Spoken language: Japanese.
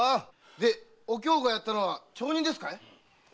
お京がやったのは町人ですかい？